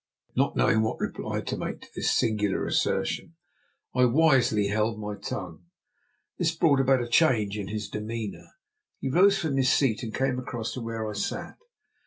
Not knowing what reply to make to this singular assertion, I wisely held my tongue. This brought about a change in his demeanour; he rose from his seat, and came across to where I sat.